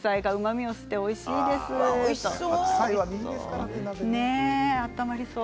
おいしそう。